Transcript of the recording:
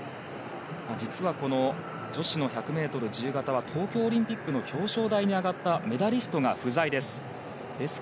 実は女子の１００ｍ自由形は東京オリンピックの表彰台に上がったメダリストが不在です。